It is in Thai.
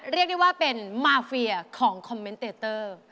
เรียกได้ว่าเป็นมาเฟียของคอมเมนต์เตเตอร์